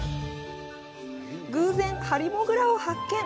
偶然ハリモグラを発見！